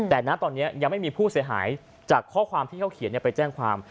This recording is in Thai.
แต่นะตอนนี้ยังไม่มีผู้เสียหายจากข้อความที่เขาเขียนไปแจ้งความ